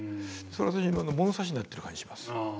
それが私今の物差しになってる感じします。